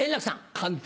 簡単。